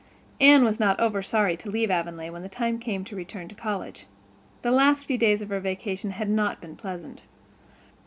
Anne was not over sorry to leave Avonlea when the time came to return to college. The last few days of her vacation had not been pleasant.